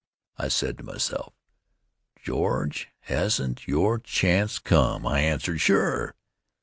I said to myself: "George, hasn't your chance come?" I answered: "Sure."